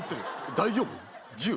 大丈夫？